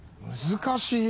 難しい。